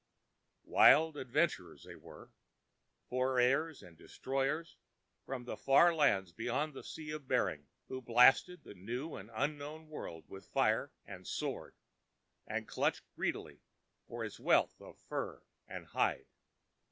Wild adventurers they were, forayers and destroyers from the far lands beyond the Sea of Bering, who blasted the new and unknown world with fire and sword and clutched greedily for its wealth of fur and hide.